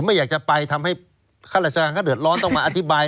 ผมไม่อยากจะไปทำให้ฆาตรชาติฤทธิ์ร้อนต้องมาอธิบาย